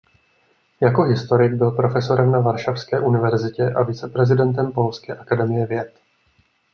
Jako historik byl profesorem na Varšavské univerzitě a viceprezidentem polské akademie věd.